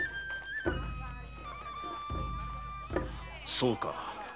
そうか。